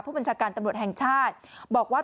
ผู้บัญชาการตำรวจแห่งชาติบอกว่า